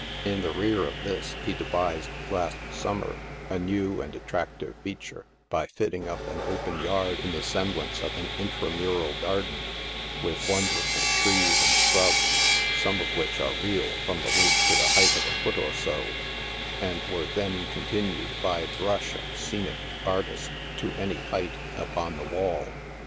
In the rear of this he devised, last summer, a new and attractive feature, by fitting up an open yard in the semblance of an intramural garden, with won derful trees and shrubs, some of which are real from the rcot to the height of a foot or so, and were then continued by brush of scenic artist to any height, upon the wall.